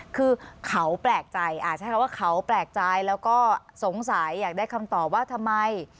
คือเขาแปลกใจใช้คำว่าเขาแปลกใจแล้วก็สงสัยอยากได้คำตอบว่าทำไม